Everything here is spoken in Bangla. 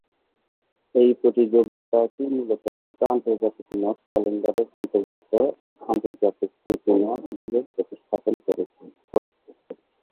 এই প্রতিযোগিতাটি মূলত ফিফা আন্তর্জাতিক ম্যাচ ক্যালেন্ডারের অন্তর্ভুক্ত আন্তর্জাতিক প্রীতি ম্যাচগুলো প্রতিস্থাপন করেছে।